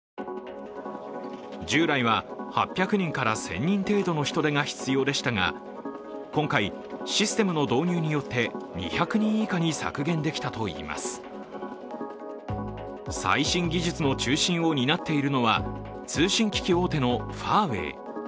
従来は８００人から１０００人程度の人手が必要でしたが、今回、システムの導入によって２００人以下に削減できたといいます最新技術の中心を担っているのは通信機器大手のファーウェイ。